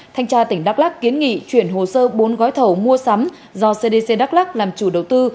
thanh tra tỉnh đắk lắc kiến nghị chuyển hồ sơ bốn gói thầu mua sắm do cdc đắk lắc làm chủ đầu tư